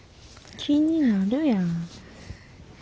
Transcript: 気になるやん。